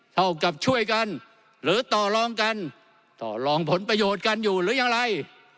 เท่ากับช่วยกันหรือต่อลองกันต่อลองผลประโยชน์กันอยู่หรือยังไร